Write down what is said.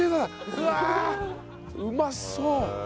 うわうまそう。